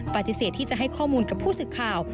ปฏิเสธที่จะให้ข้อมูลกับผู้สื่อข่าว